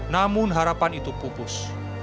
namun harapan itu pupus